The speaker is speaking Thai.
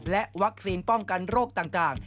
และวัคซีนป้องกันโรคต่าง